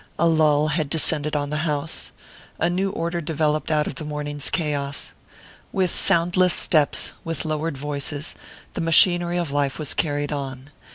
A lull had descended on the house a new order developed out of the morning's chaos. With soundless steps, with lowered voices, the machinery of life was carried on.